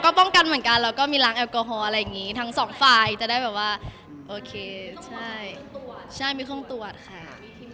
ก็ป้องกันไปก่อนไม่ใช่เป็นภาษาหรือเปล่า